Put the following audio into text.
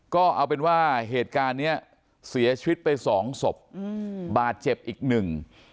ก็เอาเป็นว่าเหตุการณ์เนี้ยเสียชีวิตไปสองศพอืมบาดเจ็บอีกหนึ่ง